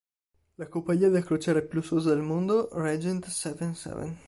La compagnia da crociera più lussuosa al mondo Regent Seven Seven.